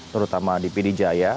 terutama di pdi jaya